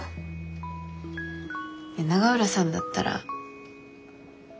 永浦さんだったら。